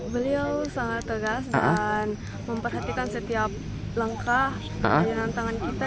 beliau sangat tegas dan memperhatikan setiap langkah dengan tangan kita